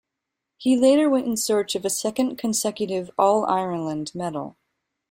He later went in search of a second consecutive All-Ireland medal.